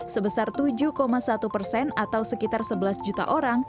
sebesar tujuh satu persen atau sekitar sebelas juta orang